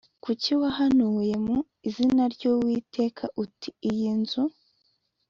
kuki wahanuye mu izina ry uwiteka uti iyi nzu